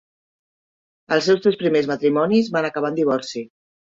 Els seus tres primers matrimonis van acabar en divorci.